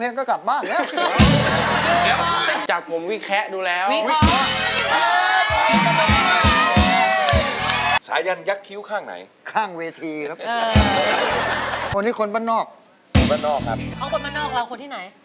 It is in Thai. สักเมื่อกี้สองเพลงแล้วก็กลับบ้าน